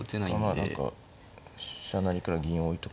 まあ何か飛車成りから銀を置いとく。